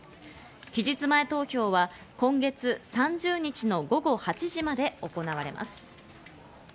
期日前投票は今月３０日の午後８時まで行われます。